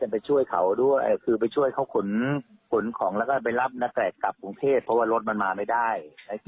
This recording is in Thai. ไปช่วยเขาขุนของแล้วก็ไปรับนักแก่กลับกรุงเทศเพราะว่ารถมันมาไม่ได้